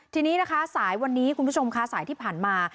ทีนี้นะคะสายวันนี้คุณผู้ชมค่ะสายที่ผ่านมา